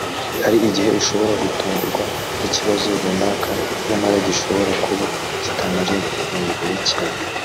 Hari igihe ushobora gutungurwa n’ikibazo runaka nyamara gishobora kuba kitanaremereye cyane